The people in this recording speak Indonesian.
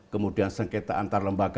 kemudian sengketa antar lembaga